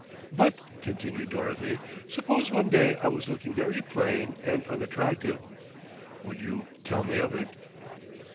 "But," continued Dorothy, "suppose one day I was looking very plain and unattractive, would you tell me of it?"